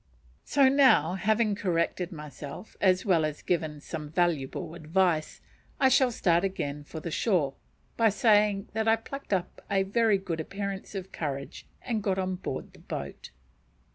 So now, having corrected myself, as well as given some valuable advice, I shall start again for the shore, by saying that I plucked up a very good appearance of courage and got on board the boat.